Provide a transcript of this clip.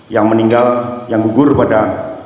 yang meninggal yang gugur pada